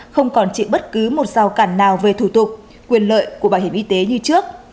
không còn chịu bất cứ một rào cản nào về thủ tục quyền lợi của bảo hiểm y tế như trước